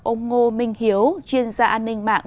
ông ngô minh hiếu chuyên gia an ninh mạng